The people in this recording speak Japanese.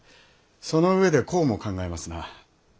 その上でこうも考えますな。